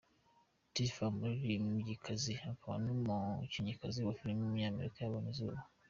Tiffany, umuririmbyikazi, akaba n’umukinnyikazi wa film w’umunyamerika yabonye izuba.